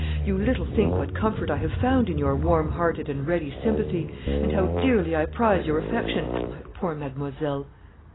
You little think what comfort I have found in your warm hearted and ready sympathy, and how dearly I prize your affection, my poor mademoiselle."